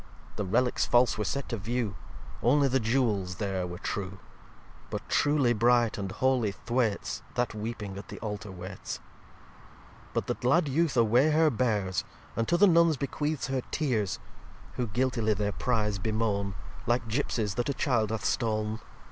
The Relicks false were set to view; Only the Jewels there were true. But truly bright and holy Thwaites That weeping at the Altar waites. xxxiv But the glad Youth away her bears, And to the Nuns bequeaths her Tears: Who guiltily their Prize bemoan, Like Gipsies that a Child hath stoln.